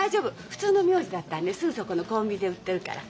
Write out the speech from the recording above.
普通の名字だったらねすぐそこのコンビニで売ってるから。